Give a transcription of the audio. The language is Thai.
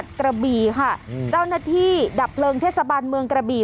กระบี่ค่ะเจ้าหน้าที่ดับเพลิงเทศบาลเมืองกระบี่